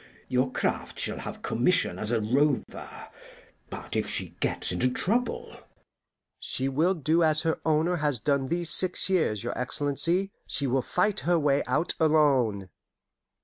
Your craft shall have commission as a rover but if she gets into trouble?" "She will do as her owner has done these six years, your Excellency: she will fight her way out alone."